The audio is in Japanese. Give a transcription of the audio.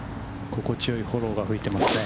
心地よいフォローが吹いていますね。